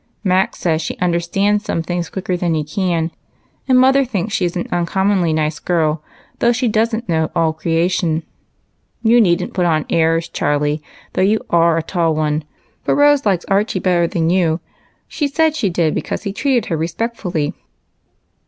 Mac says she understands some things quicker than he can, and mother thinks she is an uncommonly nice girl, though she don't know all creation. You needn't put on airs, Charlie, though you are a tall one, for Rose likes Archie better than you ; she said she did because he treated her respectfully."